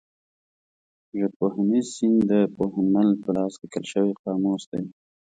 ژبپوهنیز سیند د پوهنمل په لاس لیکل شوی قاموس دی.